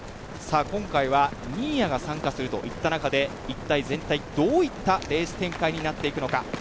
今回は新谷が参加するといった中で、一体全体どういったレース展開になっていくのか。